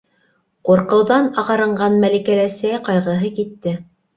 - Ҡурҡыуҙан ағарынған Мәликәлә сәй ҡайғыһы китте.